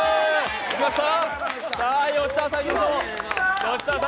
いきました。